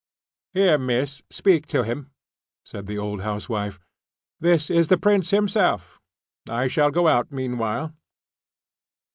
"Here, miss, speak to him," said the old housewife; "this is the prince himself. I shall go out meanwhile."